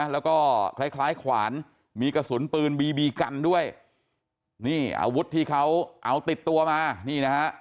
แล้วก็คล้ายคล้ายขวานมีกระสุนปืนบีบีกันด้วยนี่อาวุธที่เขาเอาติดตัวมานี่นะฮะ